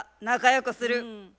仲良くする。